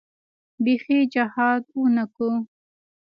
بيخي جهاد ونه کو.